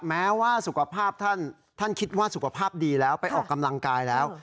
แม้ว่าสุขภาพท่านคิดว่าสุขภาพดีแล้วไปออกกำลังกายแล้ว